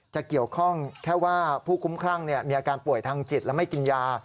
จะเกี่ยวข้องแค่ว่าผู้คุ้มครั่งมีอาการป่วยทางจิตและไม่กินยา